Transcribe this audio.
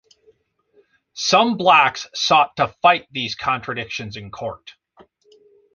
Some Blacks sought to fight these contradictions in court.